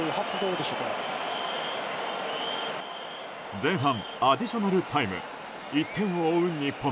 前半アディショナルタイム１点を追う日本。